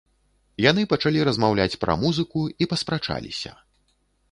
Яны пачалі размаўляць пра музыку і паспрачаліся.